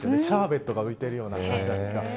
シャーベットが浮いてるような感じなんです。